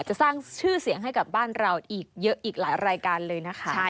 จะสร้างชื่อเสียงให้กับบ้านเราอีกเยอะอีกหลายรายการเลยนะคะ